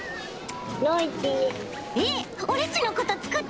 えっ！